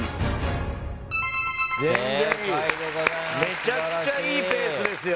めちゃくちゃいいペースですよ。